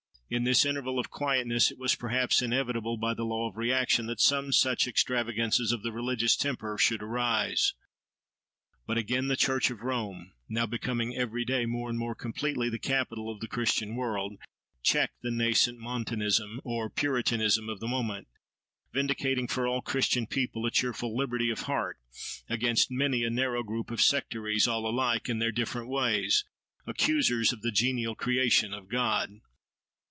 In this interval of quietness, it was perhaps inevitable, by the law of reaction, that some such extravagances of the religious temper should arise. But again the church of Rome, now becoming every day more and more completely the capital of the Christian world, checked the nascent Montanism, or puritanism of the moment, vindicating for all Christian people a cheerful liberty of heart, against many a narrow group of sectaries, all alike, in their different ways, accusers of the genial creation of God.